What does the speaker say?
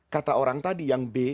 kata orang tadi yang b